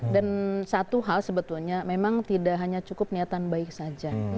dan satu hal sebetulnya memang tidak hanya cukup niatan baik saja